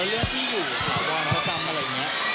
แล้วเรื่องที่อยู่ค่ะว่าเขาจำอะไรอย่างนี้